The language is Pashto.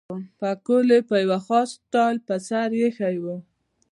پکول یې په یو خاص سټایل پر سر اېښی وو.